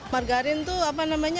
margarin itu apa namanya lebih sehat